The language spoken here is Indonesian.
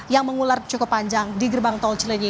yang mengular cukup panjang di gerbang tol cilenyi